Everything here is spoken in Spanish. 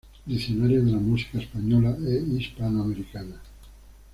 Diccionario de la Música Española e Hispanoamericana